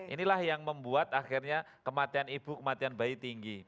inilah yang membuat akhirnya kematian ibu kematian bayi tinggi